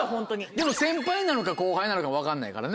でも先輩なのか後輩なのか分かんないからね。